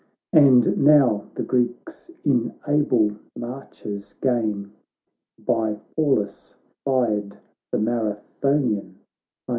And now the Greeks in able marches gain. By Pallas fired, the Marathonian plain.